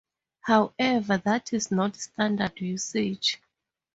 However, that is not standard usage.